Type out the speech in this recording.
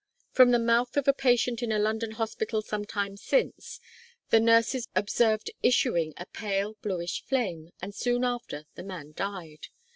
From the mouth of a patient in a London hospital some time since the nurses observed issuing a pale bluish flame, and soon after the man died.